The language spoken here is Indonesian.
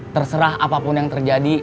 terserah apapun yang terjadi